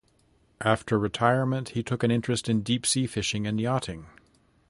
After retirement he took an interest in deep-sea fishing and yachting.